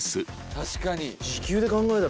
確かに。